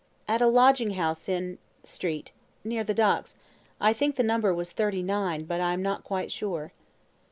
"At a lodging house in Street, near the Docks; I think the number was 39, but I am not quite sure."